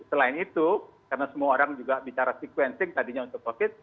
selain itu karena semua orang juga bicara sequencing tadinya untuk covid